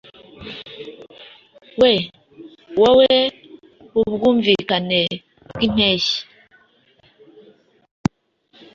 We. Wowe ubwumvikane bwimpeshyi,